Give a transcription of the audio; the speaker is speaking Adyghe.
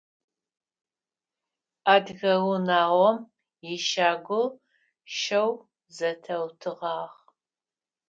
Адыгэ унагъом ищагу щэу зэтеутыгъагъ.